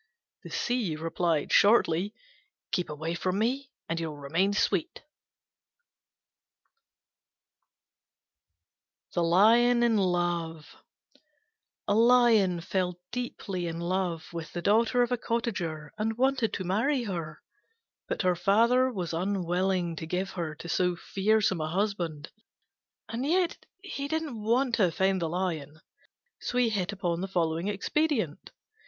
The Sea replied shortly, "Keep away from me and you'll remain sweet." THE LION IN LOVE A Lion fell deeply in love with the daughter of a cottager and wanted to marry her; but her father was unwilling to give her to so fearsome a husband, and yet didn't want to offend the Lion; so he hit upon the following expedient.